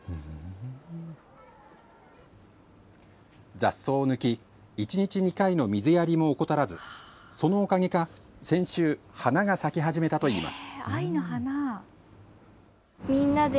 雑草を抜き、一日２回の水やりも怠らず、そのおかげか先週、花が咲き始めたといいます。